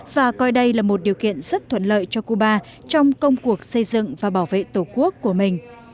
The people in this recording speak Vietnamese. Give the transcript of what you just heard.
và coi đây là một điều kiện rất thuận lợi cho cuba trong công cuộc xây dựng và bảo vệ tổ quốc của mình